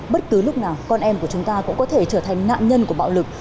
bất cứ lúc nào con em của chúng ta cũng có thể trở thành nạn nhân của bạo lực